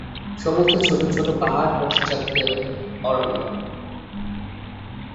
সম্মুখে ছোটো ছোটো পাহাড়, পশ্চাতে অরণ্য।